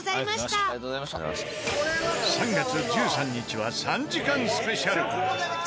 ３月１３日は３時間スペシャル。